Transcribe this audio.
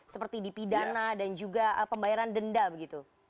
seperti di pidana dan juga pembayaran denda begitu